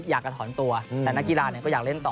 อยากจะถอนตัวแต่นักกีฬาก็อยากเล่นต่อ